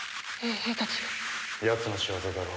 やつの仕業だろう。